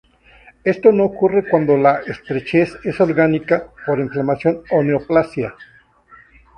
Esto no ocurre cuando la estrechez es orgánica, por inflamación o neoplasia.